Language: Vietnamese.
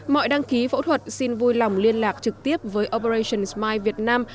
mọi đăng ký phẫu thuật xin vui lòng liên lạc trực tiếp với operation smile việt nam